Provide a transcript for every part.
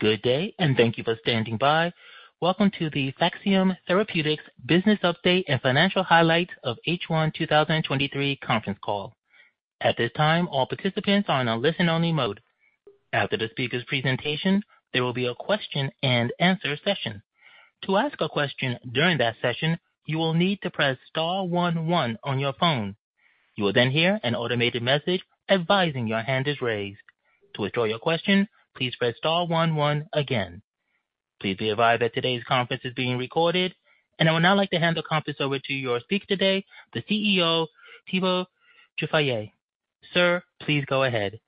Good day, and thank you for standing by. Welcome to the Phaxiam Therapeutics Business Update and Financial Highlights of H1 2023 conference call. At this time, all participants are in a listen-only mode. After the speaker's presentation, there will be a question and answer session. To ask a question during that session, you will need to press star one one on your phone. You will then hear an automated message advising your hand is raised. To withdraw your question, please press star one one again. Please be advised that today's conference is being recorded. I would now like to hand the conference over to your speaker today, the CEO, Thibaut du Fayet. Sir, please go ahead.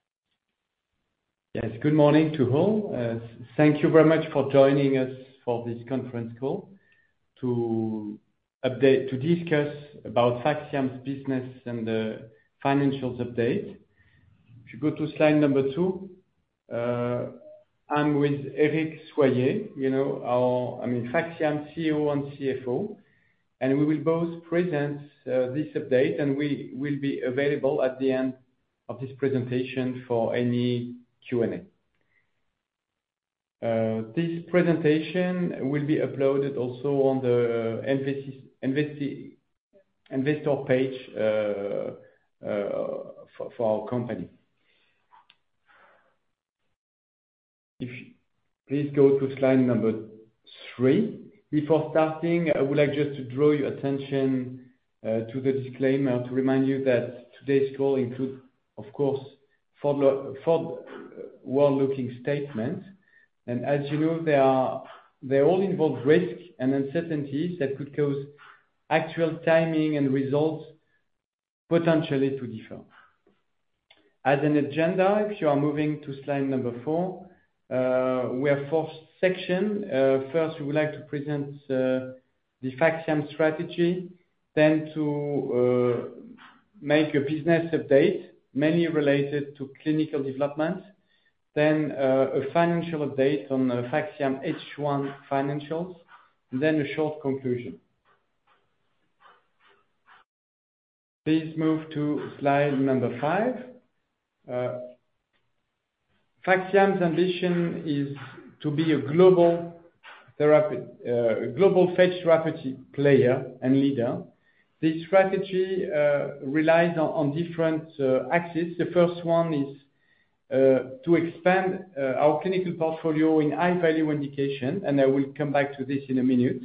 Yes, good morning to all. Thank you very much for joining us for this conference call to update—to discuss about Phaxiam's business and the financials update. If you go to slide number two, I'm with Eric Soyer, you know, our... I mean, Phaxiam CEO and CFO. We will both present this update, and we will be available at the end of this presentation for any Q&A. This presentation will be uploaded also on the investor page for our company. If you please go to slide number three. Before starting, I would like just to draw your attention to the disclaimer to remind you that today's call include, of course, forward, forward well looking statement. As you know, they all involve risk and uncertainties that could cause actual timing and results potentially to differ. As for the agenda, if you are moving to slide number four, we have four sections. First, we would like to present the Phaxiam strategy, then to make a business update, mainly related to clinical development. Then, a financial update on the Phaxiam H1 financials, and then a short conclusion. Please move to slide number five. Phaxiam's ambition is to be a global phage therapy player and leader. This strategy relies on different axes. The first one is to expand our clinical portfolio in high-value indication, and I will come back to this in a minute.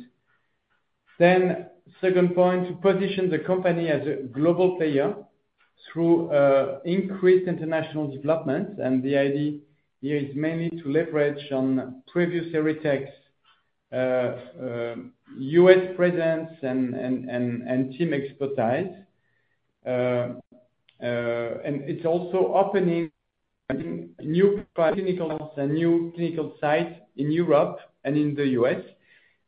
Then second point, to position the company as a global player through increased international development, and the idea here is mainly to leverage on previous Erytech and team expertise. It's also opening new clinical and new clinical sites in Europe and in the US.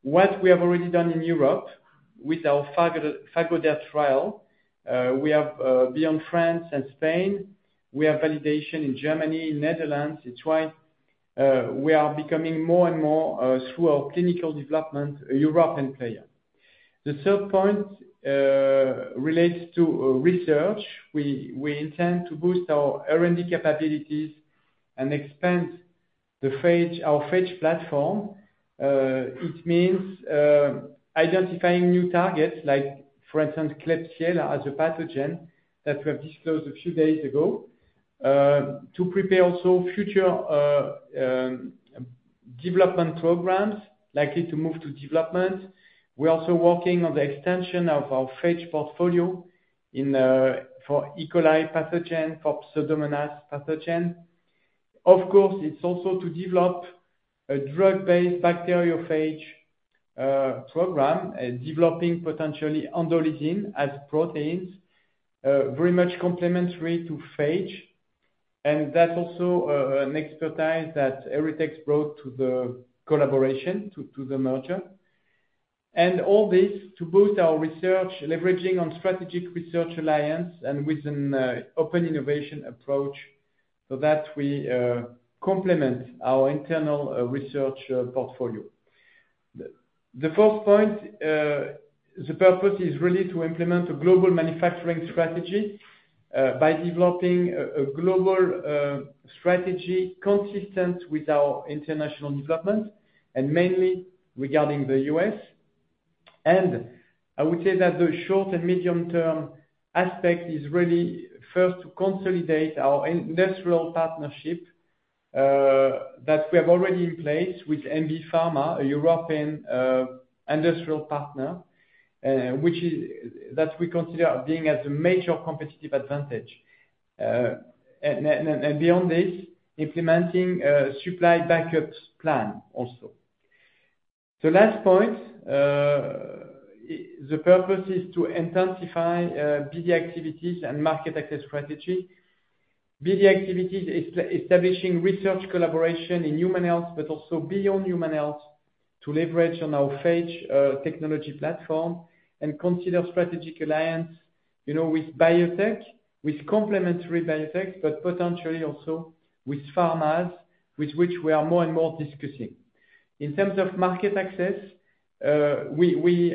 What we have already done in Europe with our PhagoDex trial, we have, beyond France and Spain, we have validation in Germany, Netherlands. It's why we are becoming more and more, through our clinical development, a European player. The third point relates to research. We intend to boost our R&D capabilities and expand our phage platform. It means identifying new targets like, for instance, Klebsiella as a pathogen that we have disclosed a few days ago. To prepare also future development programs likely to move to development. We're also working on the extension of our phage portfolio for E. coli pathogen, for Pseudomonas pathogen. Of course, it's also to develop a drug-based bacteriophage program, developing potentially endolysin as proteins, very much complementary to phage. And that's also an expertise that Erytech brought to the collaboration, to the merger. And all this to boost our research, leveraging on strategic research alliance and with an open innovation approach, so that we complement our internal research portfolio. The fourth point, the purpose is really to implement a global manufacturing strategy, by developing a global strategy consistent with our international development and mainly regarding the U.S. And I would say that the short and medium-term aspect is really first to consolidate our industrial partnership that we have already in place with MB Pharma, a European industrial partner, that we consider being as a major competitive advantage. And beyond this, implementing supply backups plan also. The last point, the purpose is to intensify BD activities and market access strategy. BD activities is establishing research collaboration in human health, but also beyond human health, to leverage on our phage technology platform and consider strategic alliance, you know, with biotech, with complementary biotech, but potentially also with pharmas, with which we are more and more discussing. In terms of market access, we, we,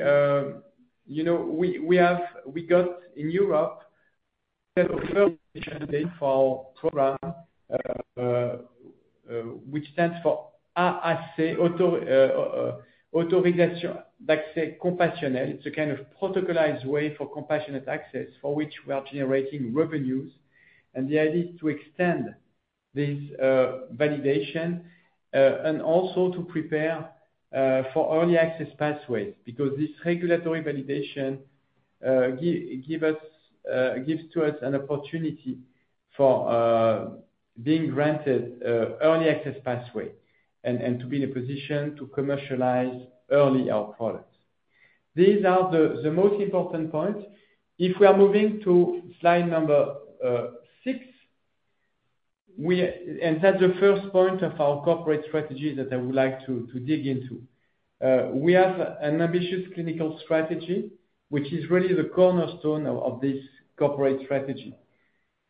you know, we, we have-- we got in Europe for program, which stands for AAC, auto regulation, like say, compassionate. It's a kind of protocolized way for compassionate access, for which we are generating revenues, and the idea is to extend this validation and also to prepare for early access pathways, because this regulatory validation gives us an opportunity for being granted early access pathway and to be in a position to commercialize early our products. These are the most important points. If we are moving to slide number six, that's the first point of our corporate strategy that I would like to dig into. We have an ambitious clinical strategy, which is really the cornerstone of this corporate strategy.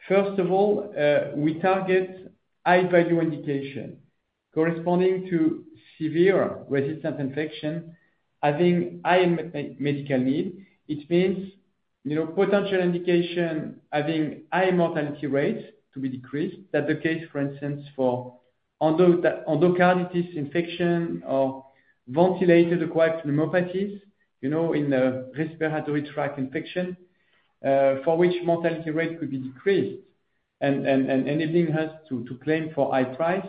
First of all, we target high value indication corresponding to severe resistant infection, having high medical need. It means, you know, potential indication, having high mortality rates to be decreased. That's the case, for instance, for endocarditis infection or ventilator-associated pneumonias, you know, in the respiratory tract infection, for which mortality rate could be decreased, and enabling us to claim for high price.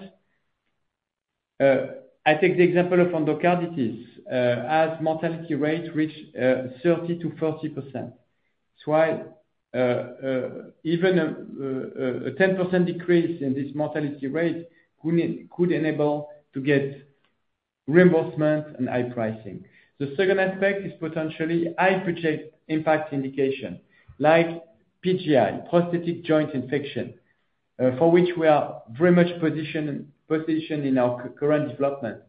I take the example of endocarditis, as mortality rate reach 30%-40%. That's why, even a 10% decrease in this mortality rate could enable to get reimbursement and high pricing. The second aspect is potentially high project impact indication, like PJI, prosthetic joint infection, for which we are very much positioned in our current development.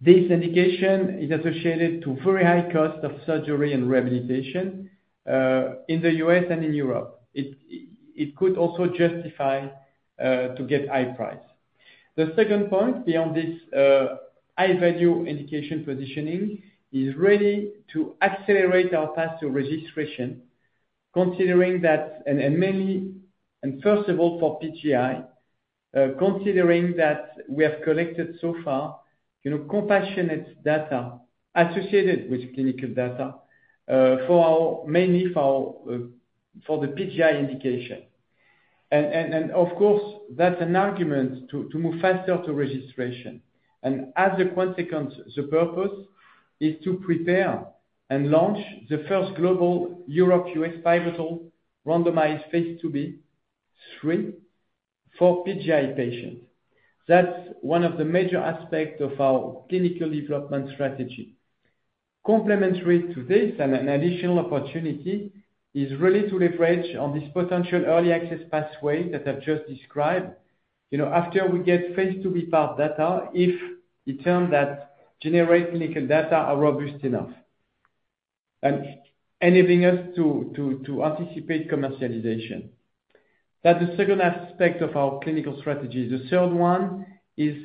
This indication is associated to very high cost of surgery and rehabilitation, in the U.S. and in Europe. It could also justify, you know, to get high price. The second point beyond this high value indication positioning is really to accelerate our path to registration, considering that and, mainly, and first of all, for PJI, considering that we have collected so far, you know, compassionate data associated with clinical data, for our, mainly for our, for the PJI indication. That's an argument to move faster to registration. As a consequence, the purpose is to prepare and launch the first global Europe-US pivotal randomized phase II-B, III for PJI patients. That's one of the major aspects of our clinical development strategy. Complementary to this, and an additional opportunity, is really to leverage on this potential early access pathway that I've just described. You know, after we get phase II-B part data, if it turns that generate clinical data are robust enough, and enabling us to anticipate commercialization. That's the second aspect of our clinical strategy. The third one is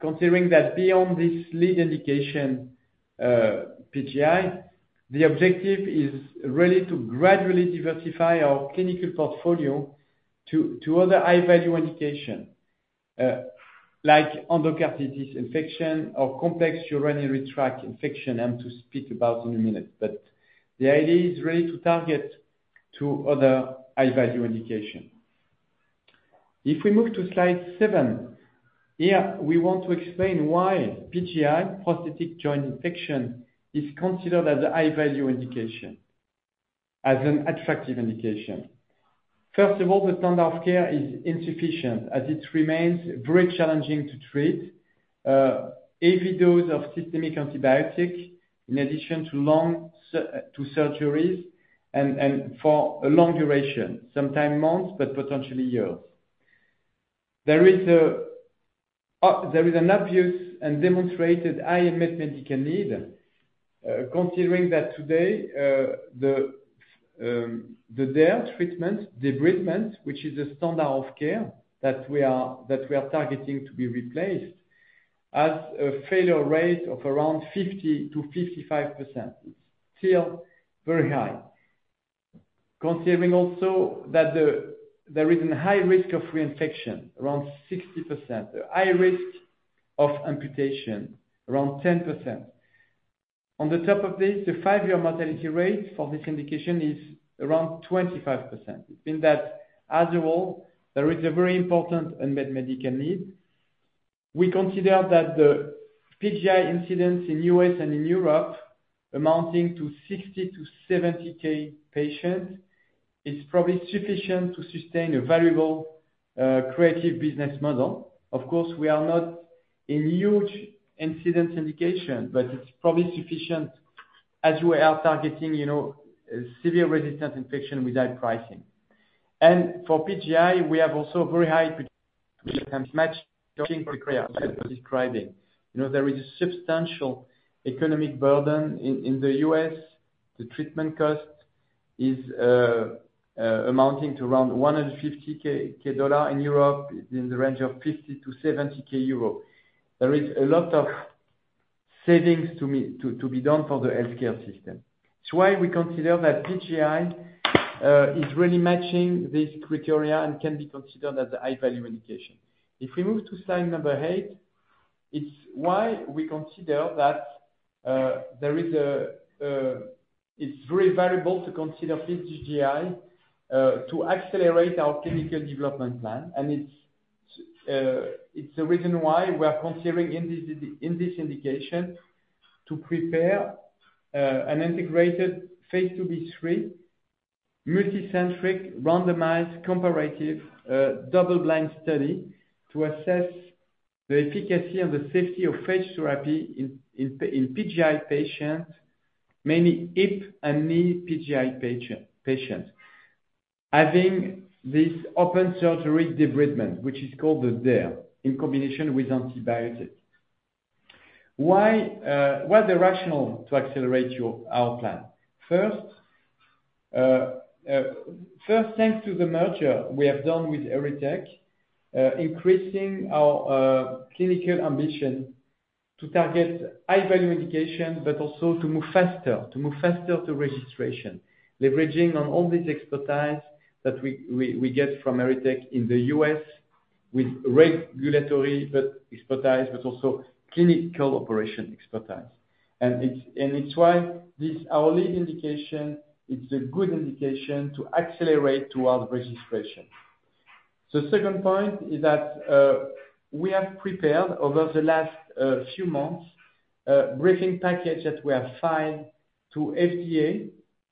considering that beyond this lead indication, PJI, the objective is really to gradually diversify our clinical portfolio to other high value indication, like endocarditis infection or complex urinary tract infection, and to speak about in a minute. But the idea is really to target to other high value indication. If we move to slide seven, here, we want to explain why PJI, prosthetic joint infection, is considered as a high value indication, as an attractive indication. First of all, the standard of care is insufficient, as it remains very challenging to treat, heavy dose of systemic antibiotic, in addition to long surgeries and for a long duration, sometimes months, but potentially years. There is an obvious and demonstrated high unmet medical need, considering that today, the DAIR treatment, debridement, which is a standard of care that we are targeting to be replaced, has a failure rate of around 50%-55%. It's still very high. Considering also that there is a high risk of reinfection, around 60%, a high risk of amputation, around 10%. On the top of this, the five-year mortality rate for this indication is around 25%. It means that as a whole, there is a very important unmet medical need. We consider that the PJI incidence in the U.S. and in Europe, amounting to 60-70K patients, is probably sufficient to sustain a valuable, creative business model. Of course, we are not a huge incidence indication, but it's probably sufficient as we are targeting, you know, severe resistant infection without pricing. And for PJI, we have also very high-match describing. You know, there is a substantial economic burden in the U.S. The treatment cost is amounting to around $150K. In Europe, it's in the range of 50-70K euro. There is a lot of savings to be done for the healthcare system. That's why we consider that PJI is really matching this criteria and can be considered as a high-value indication. If we move to slide eight, it's why we consider that there is a, it's very valuable to consider PJI to accelerate our clinical development plan. It's the reason why we are considering in this indication to prepare an integrated phase II-B, III multicenter randomized comparative double-blind study to assess the efficacy and the safety of phage therapy in PJI patients, mainly hip and knee PJI patients. Adding this open surgery debridement, which is called the DAIR, in combination with antibiotics. Why, what's the rationale to accelerate our plan? First, thanks to the merger we have done with Erytech, increasing our clinical ambition to target high-value indication, but also to move faster, to move faster to registration. Leveraging on all this expertise that we get from Erytech in the US with regulatory expertise, but also clinical operation expertise. It's why this, our lead indication, it's a good indication to accelerate towards registration. Second point is that we have prepared over the last few months a briefing package that we have filed to FDA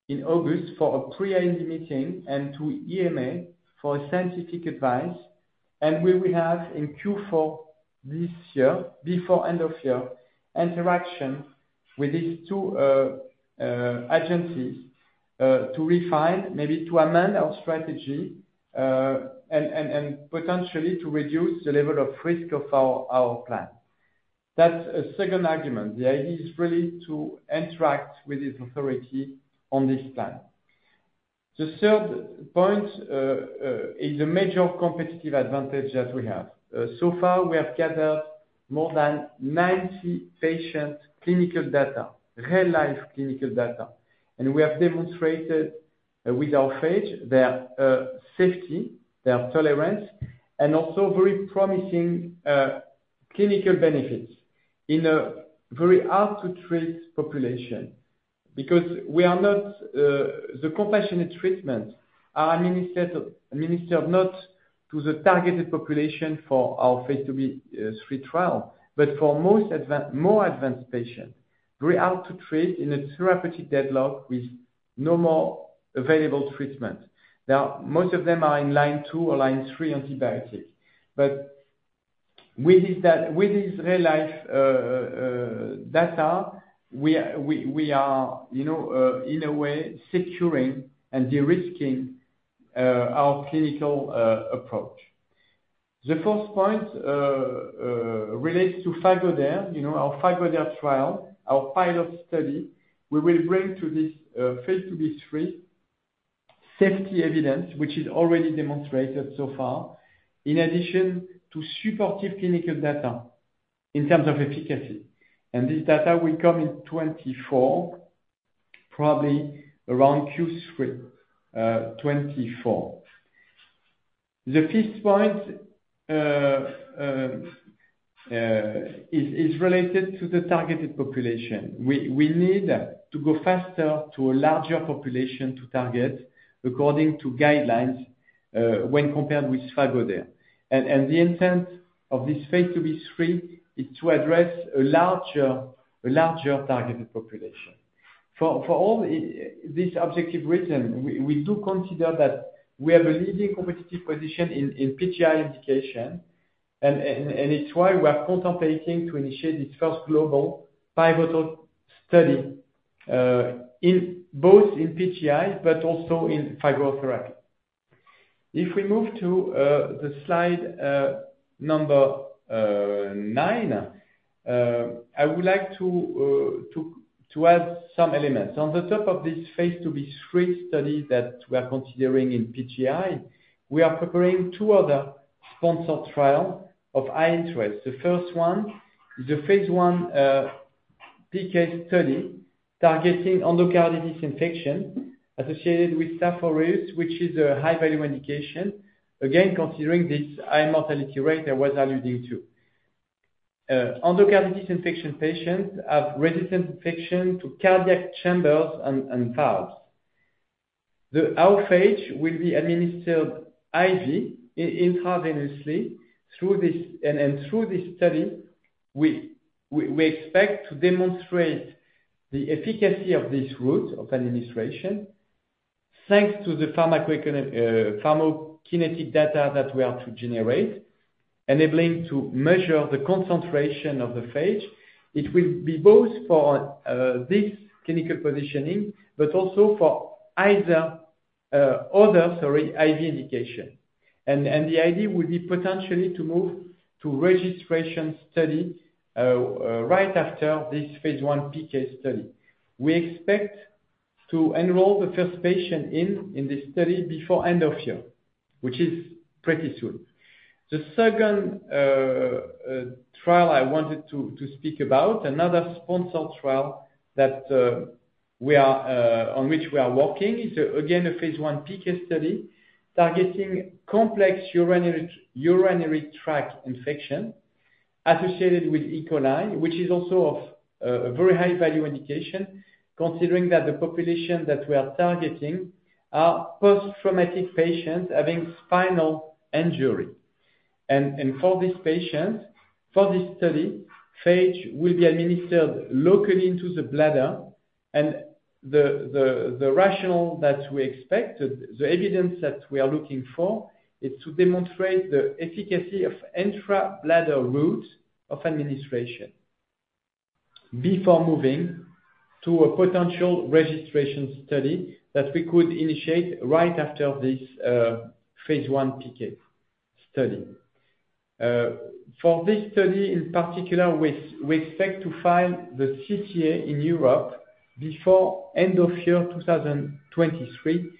in August for a Pre-IND meeting, and to EMA for scientific advice. We have in Q4 this year, before end of year, interaction with these two agencies to refine, maybe to amend our strategy, and potentially to reduce the level of risk of our plan. That's a second argument. The idea is really to interact with this authority on this plan. The third point is a major competitive advantage that we have. So far, we have gathered more than 90 patient clinical data, real-life clinical data. And we have demonstrated, with our phage, their safety, their tolerance, and also very promising clinical benefits in a very hard-to-treat population. Because we are not... the compassionate treatment are administered, administered not to the targeted population for our phase II-B, III trial, but for more advanced patients, very hard to treat in a therapeutic deadlock with no more available treatment. Now, most of them are in line two or line three antibiotics. But with this real-life data, we are, you know, in a way, securing and de-risking our clinical approach. The fourth point relates to PhagoDAIR, you know, our PhagoDAIR trial, our pilot study. We will bring to this phase II-B, III safety evidence, which is already demonstrated so far, in addition to supportive clinical data in terms of efficacy. This data will come in 2024, probably around Q3 2024. The fifth point is related to the targeted population. We need to go faster to a larger population to target according to guidelines, when compared with PhagoDAIR. The intent of this phase 2b/3 is to address a larger targeted population. For all this objective reason, we do consider that we have a leading competitive position in PJI indication, and it's why we are contemplating to initiate this first global pivotal study, in both in PJI but also in phage therapy. If we move to the slide number nine, I would like to add some elements. On top of this phase II-B, III study that we are considering in PJI, we are preparing two other sponsored trials of high interest. The first one is a phase I PK study, targeting endocarditis infection associated with Staph aureus, which is a high-value indication. Again, considering this high mortality rate I was alluding to. Endocarditis infection patients have resistant infection to cardiac chambers and valves. The outrage will be administered IV, intravenously, through this, and through this study, we expect to demonstrate the efficacy of this route of administration, thanks to the pharmacokinetic data that we are to generate, enabling to measure the concentration of the phage. It will be both for this clinical positioning, but also for either other, sorry, IV indication. The idea would be potentially to move to registration study right after this phase I PK study. We expect to enroll the first patient in this study before end of year, which is pretty soon. The second trial I wanted to speak about, another sponsored trial that we are on which we are working, is again a phase I PK study, targeting complex urinary tract infection associated with E. coli, which is also of a very high value indication, considering that the population that we are targeting are post-traumatic patients having spinal injury. For these patients, for this study, phage will be administered locally into the bladder. The rationale that we expected, the evidence that we are looking for, is to demonstrate the efficacy of intra-bladder route of administration, before moving to a potential registration study that we could initiate right after this phase I PK study. For this study, in particular, we expect to file the CTA in Europe before end of year 2023,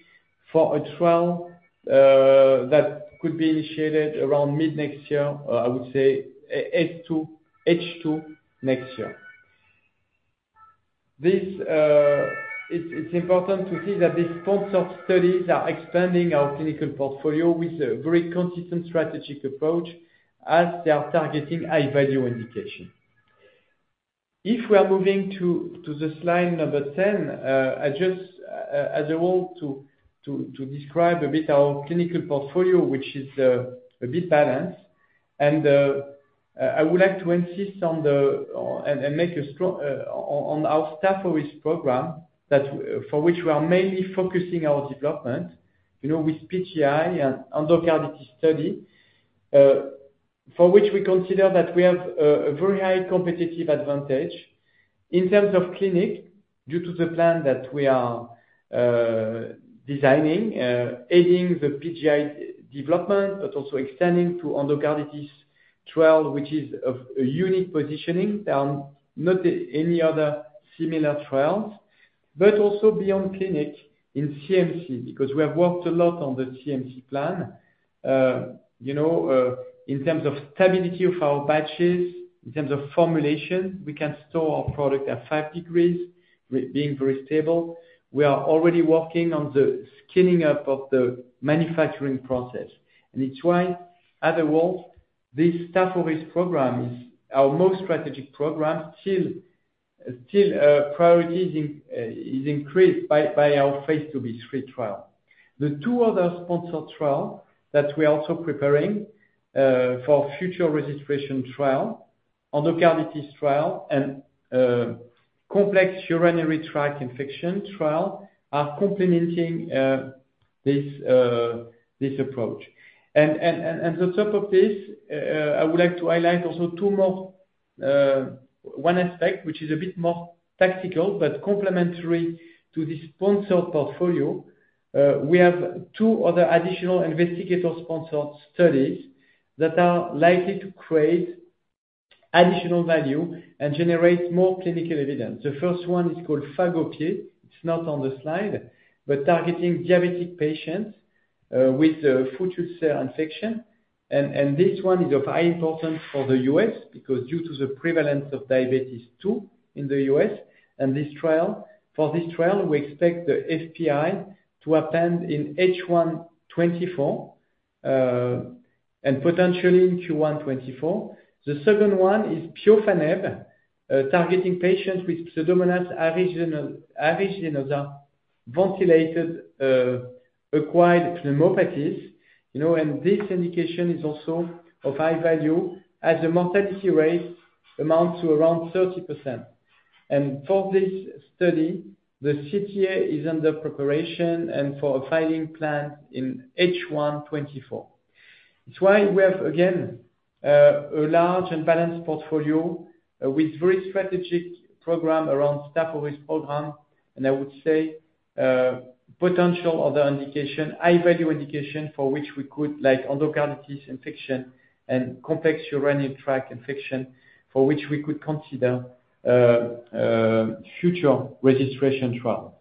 for a trial that could be initiated around mid-next year, or I would say, H2, H2 next year. It's important to see that these sponsor studies are expanding our clinical portfolio with a very consistent strategic approach, as they are targeting high value indication. If we are moving to the slide number 10, I just, as a role to describe a bit our clinical portfolio, which is a bit balanced. I would like to insist on the, and make a strong, on our staph program, that for which we are mainly focusing our development, you know, with PJI and endocarditis study, for which we consider that we have a very high competitive advantage in terms of clinic, due to the plan that we are designing, aiding the PJI development, but also extending to endocarditis trial, which is of a unique positioning. There are not any other similar trials. Also beyond clinic in CMC, because we have worked a lot on the CMC plan. You know, in terms of stability of our batches, in terms of formulation, we can store our product at five degrees, with being very stable. We are already working on the scaling up of the manufacturing process. It's why, as a whole, this staph program is our most strategic program, still, still, priority is increased by our phase II, phase III trial. The two other sponsored trial that we're also preparing for future registration trial, endocarditis trial and complex urinary tract infection trial, are complementing this approach. I would like to highlight also two more, one aspect, which is a bit more tactical, but complementary to the sponsor portfolio. We have two other additional investigator-sponsored studies that are likely to create additional value and generate more clinical evidence. The first one is called PhagoP, it's not on the slide, but targeting diabetic patients with a foot ulcer infection. This one is of high importance for the US, because due to the prevalence of diabetes II in the US, and this trial—for this trial, we expect the FPI to attend in H1 2024, and potentially in Q1 2024. The second one is Piofaneb, targeting patients with Pseudomonas aeruginosa, ventilated, acquired pneumopathies. You know, and this indication is also of high value, as the mortality rate amounts to around 30%. For this study, the CTA is under preparation, and for a filing plan in H1 2024. It's why we have, again, a large and balanced portfolio, with very strategic program around staph program. And I would say, potential other indication, high value indication, for which we could, like endocarditis infection and complex urinary tract infection, for which we could consider, future registration trial.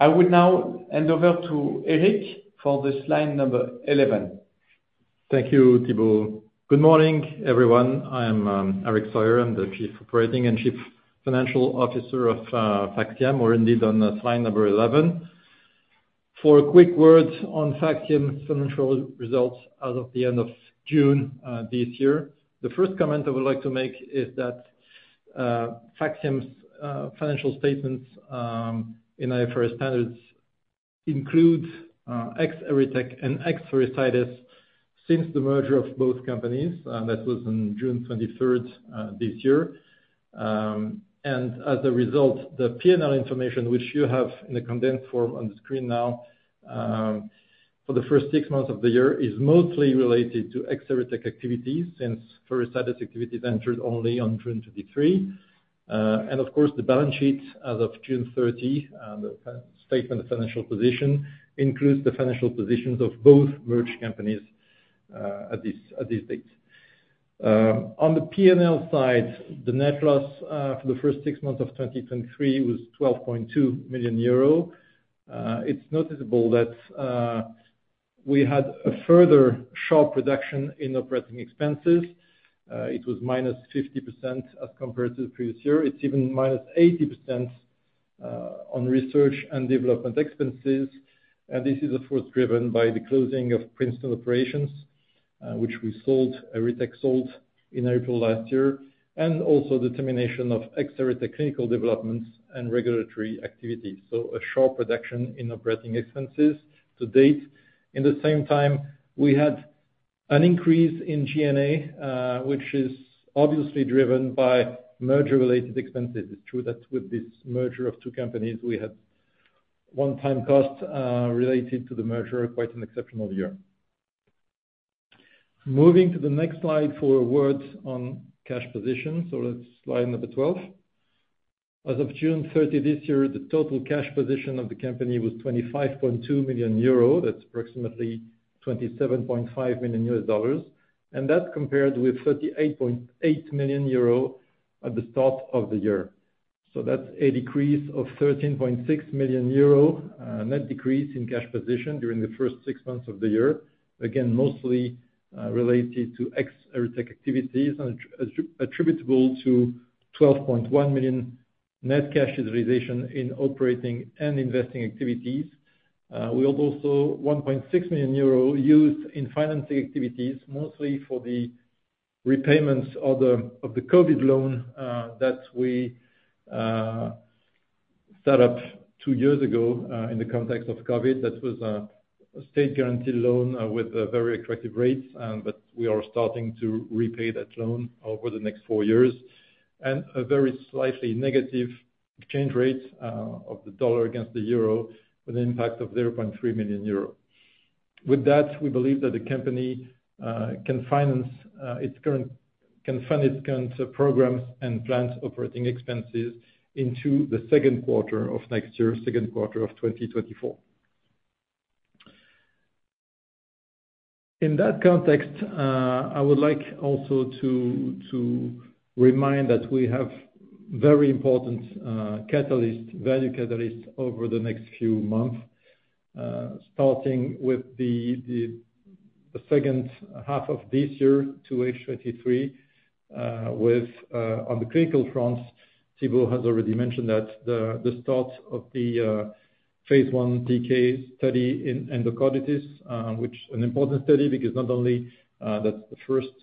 I would now hand over to Eric for the slide number 11. Thank you, Thibaut. Good morning, everyone. I am Eric Soyer. I'm the Chief Operating and Chief Financial Officer of Phaxiam. We're indeed on slide number 11. For a quick word on Phaxiam financial results as of the end of June this year. The first comment I would like to make is that Phaxiam's financial statements in IFRS standards include ex-Erytech and ex-Pherecydes, since the merger of both companies, and that was on June 23rd this year. And as a result, the PNL information, which you have in the condensed form on the screen now, for the first six months of the year, is mostly related to ex-Erytech activities, since Pherecydes activities entered only on June 23. Of course, the balance sheet as of June 30, the statement of financial position, includes the financial positions of both merged companies at this date. On the PNL side, the net loss for the first six months of 2023 was 12.2 million euro. It's noticeable that we had a further sharp reduction in operating expenses. It was minus 50% as compared to the previous year. It's even minus 80% on research and development expenses, and this is, of course, driven by the closing of Princeton operations, which we sold, Erytech sold in April last year, and also the termination of ex Erytech clinical developments and regulatory activity. A sharp reduction in operating expenses to date. In the same time, we had an increase in GNA, which is obviously driven by merger-related expenses. It's true that with this merger of two companies, we had one-time costs related to the merger, quite an exceptional year. Moving to the next slide for a word on cash position. So that's slide number 12. As of June 30 this year, the total cash position of the company was 25.2 million euro. That's approximately $27.5 million, and that compared with 38.8 million euro at the start of the year. So that's a decrease of 13.6 million euro, net decrease in cash position during the first six months of the year. Again, mostly related to ex-Erytech activities, and attributed to 12.1 million net cash realization in operating and investing activities. We have also 1.6 million euro used in financing activities, mostly for the repayments of the COVID loan that we set up two years ago in the context of COVID. That was a state-guaranteed loan with very attractive rates, but we are starting to repay that loan over the next four years. And a very slightly negative exchange rate of the dollar against the euro, with an impact of 0.3 million euro. With that, we believe that the company can fund its current programs and plans operating expenses into the second quarter of next year, second quarter of 2024. In that context, I would like also to remind that we have very important value catalysts over the next few months, starting with the second half of this year, 2H 2023, with, on the clinical front, Thibaut has already mentioned that the start of the phase I PK study in endocarditis, which is an important study because not only that's the first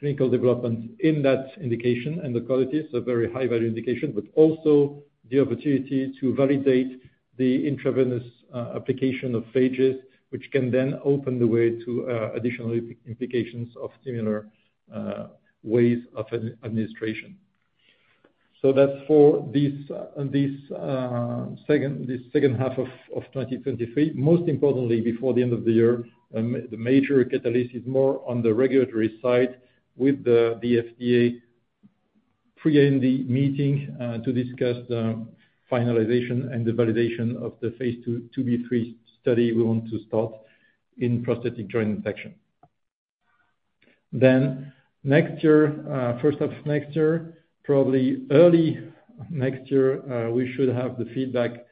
clinical development in that indication, endocarditis, a very high value indication, but also the opportunity to validate the intravenous application of phages, which can then open the way to additional implications of similar ways of administration. That's for this second half of 2023. Most importantly, before the end of the year, the major catalyst is more on the regulatory side with the FDA pre-IND meeting to discuss the finalization and the validation of the phase II-B, III study we want to start in prosthetic joint infection. Then next year, first half of next year, probably early next year, we should have the feedback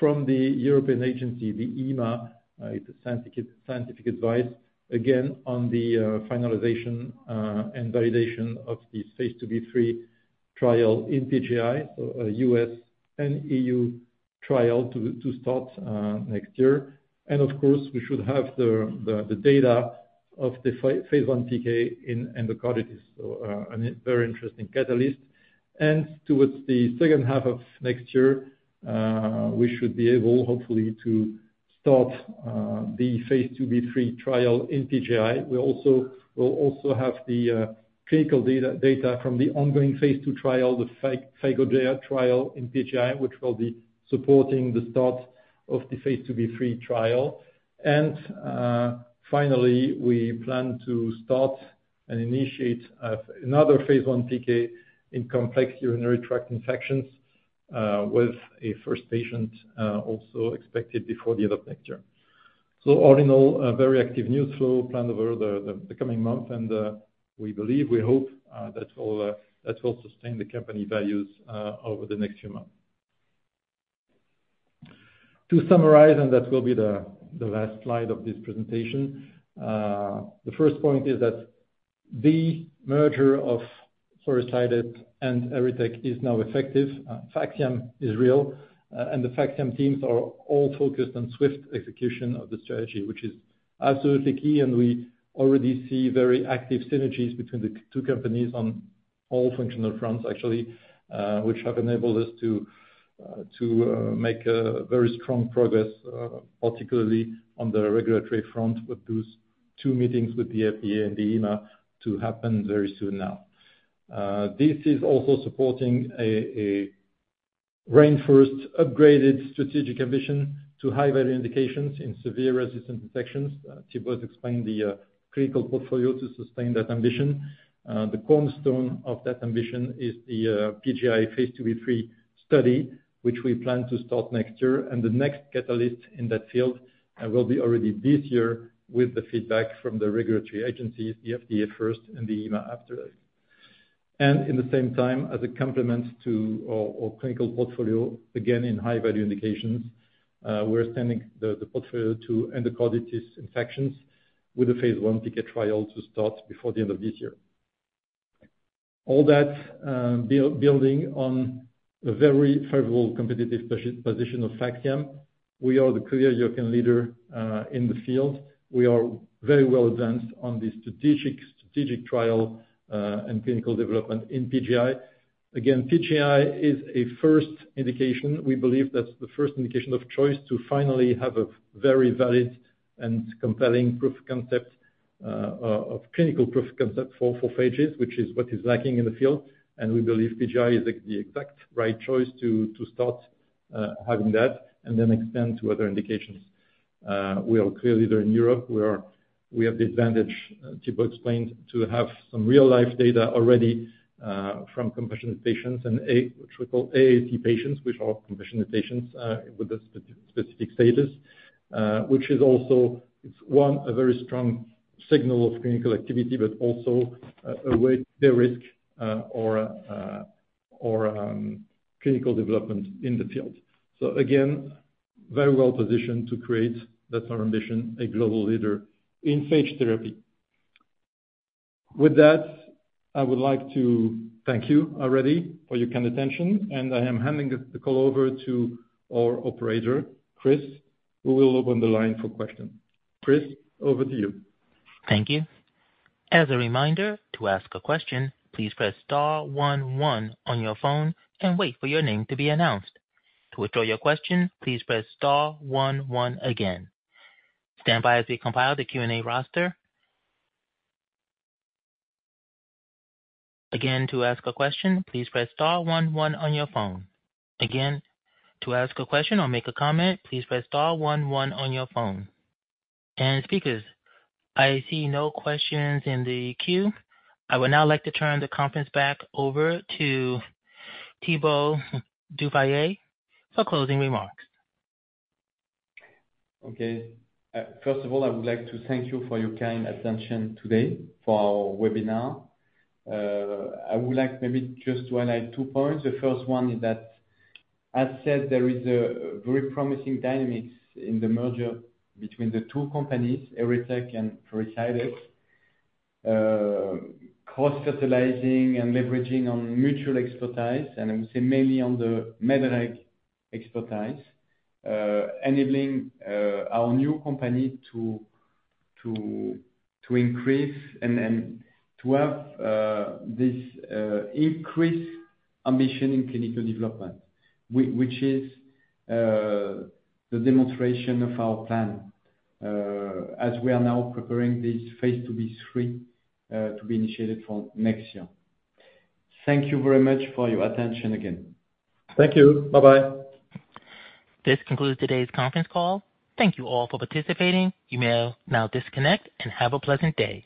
from the European agency, the EMA. It's a scientific advice, again, on the finalization and validation of the phase II-B, III trial in PJI, so US and EU trials to start next year. And of course, we should have the data of the phase I PK in endocarditis. So, a very interesting catalyst. Towards the second half of next year, we should be able, hopefully, to start the phase II-B, III trial in PJI. We'll also have the clinical data from the ongoing phase II trial, the PhagoDAIR trial in PJI, which will be supporting the start of the phase II-B, III trial. Finally, we plan to start and initiate another phase I PK in complex urinary tract infections, with a first patient also expected before the end of next year. All in all, a very active news flow planned over the coming months, and we believe, we hope, that will sustain the company values over the next few months. To summarize, and that will be the last slide of this presentation. The first point is that the merger of Pherecydes and Erytech is now effective. Phaxiam is real, and the Phaxiam teams are all focused on swift execution of the strategy, which is absolutely key, and we already see very active synergies between the two companies on all functional fronts, actually. Which have enabled us to make a very strong progress, particularly on the regulatory front, with those two meetings with the FDA and the EMA to happen very soon now. This is also supporting a reinforced, upgraded strategic ambition to high-value indications in severe resistant infections. Thibaut explained the clinical portfolio to sustain that ambition. The cornerstone of that ambition is the PJI phase II-B, IIIstudy, which we plan to start next year. The next catalyst in that field will be already this year with the feedback from the regulatory agencies, the FDA first and the EMA after it. In the same time, as a complement to our clinical portfolio, again, in high value indications, we're extending the portfolio to endocarditis infections with a phase I PK trial to start before the end of this year. All that building on a very favorable competitive position of Phaxiam. We are the clear European leader in the field. We are very well advanced on the strategic trial and clinical development in PJI. Again, PJI is a first indication. We believe that's the first indication of choice to finally have a very valid and compelling proof concept, of clinical proof concept for phages, which is what is lacking in the field. We believe PJI is the exact right choice to start having that and then extend to other indications. We are clearly there in Europe, where we have the advantage, Thibaut explained, to have some real-life data already from compassionate patients and AAP patients, which are compassionate patients with a specific status. It is also a very strong signal of clinical activity, but also a way to de-risk clinical development in the field. Again, very well positioned to create, that's our ambition, a global leader in phage therapy. With that, I would like to thank you already for your kind attention, and I am handing the call over to our operator, Chris, who will open the line for questions. Chris, over to you. Thank you. As a reminder, to ask a question, please press star one one on your phone and wait for your name to be announced. To withdraw your question, please press star one one again. Stand by as we compile the Q&A roster. Again, to ask a question, please press star one one on your phone. Again, to ask a question or make a comment, please press star one one on your phone. Speakers, I see no questions in the queue. I would now like to turn the conference back over to Thibaut du Fayet for closing remarks. Okay. First of all, I would like to thank you for your kind attention today for our webinar. I would like maybe just to highlight two points. The first one is that, as said, there is a very promising dynamics in the merger between the two companies, Erytech and Pherecydes. cross-fertilizing and leveraging on mutual expertise, and I would say mainly on the Medilac expertise. enabling our new company to increase and to have this increased ambition in clinical development. Which is the demonstration of our plan, as we are now preparing this phase II-B, III to be initiated for next year. Thank you very much for your attention again. Thank you. Bye-bye. This concludes today's conference call. Thank you all for participating. You may now disconnect and have a pleasant day.